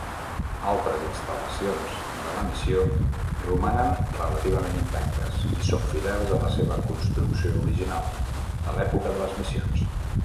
Altres instal·lacions de la missió romanen relativament intactes i són fidels a la seva construcció original, de l'època de les missions.